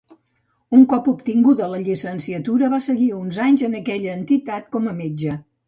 Un cop obtinguda la llicenciatura va seguir uns anys en aquella entitat com a metge.